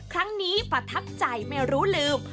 ครั้งนี้ประทับใจไม่รู้ลืม